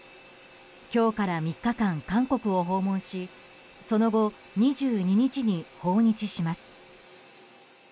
今日から３日間、韓国を訪問しその後２２日に訪日します。